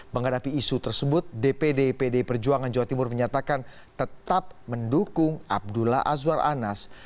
menghadapi isu tersebut dpd pd perjuangan jawa timur menyatakan tetap mendukung abdullah azwar anas